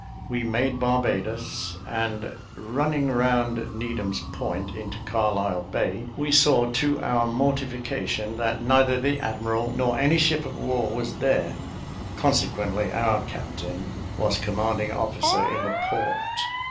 We made Barbadoes, and running round Needham's Point into Carlisle Bay, we saw to our mortification, that neither the admiral nor any ship of war was there, consequently our captain was commanding officer in the port.